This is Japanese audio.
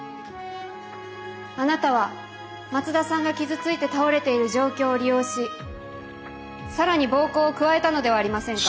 あなたは松田さんが傷ついて倒れている状況を利用し更に暴行を加えたのではありませんか？